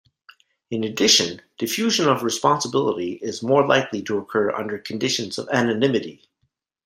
In addition, diffusion of responsibility is more likely to occur under conditions of anonymity.